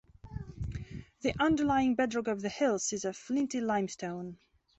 The underlying bedrock of the hills is a flinty limestone.